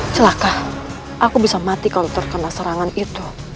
celaka aku bisa mati kalau terkena serangan itu